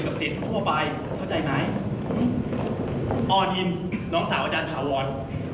ให้คว่าไปต่อหน้าคุณมาก